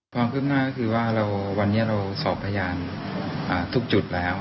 ความคืบหน้าวันนี้เราสอบพยานทุกจุดแล้ว